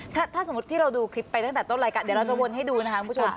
ถ้าสมมุติที่เราดูคลิปไปตั้งแต่ต้นรายการเดี๋ยวเราจะวนให้ดูนะคะคุณผู้ชม